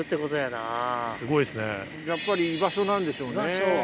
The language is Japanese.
やっぱり居場所なんでしょうね。